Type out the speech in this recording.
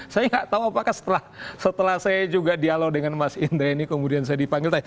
saya nggak tahu apakah setelah saya juga dialog dengan mas indra ini kemudian saya dipanggil